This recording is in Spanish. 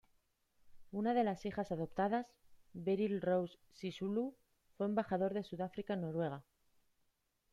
Una de las hijas adoptadas, Beryl Rose Sisulu, fue Embajador de Sudáfrica en Noruega.